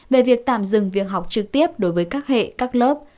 về việc tạm dừng việc học trực tiếp đối với các hệ các lớp